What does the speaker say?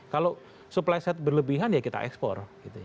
kalau supply set berlebihan ya kita ekspor